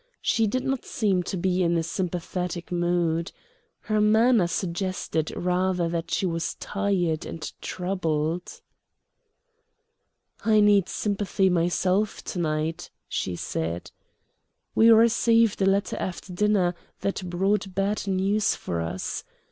She did not seem to be in a sympathetic mood. Her manner suggested rather that she was tired and troubled. "I need sympathy myself to night," she said. "We received a letter after dinner that brought bad news for us.